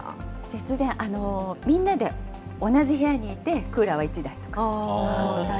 節電、みんなで同じ部屋にいて、クーラーは１台。